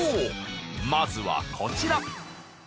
４まずはこちら。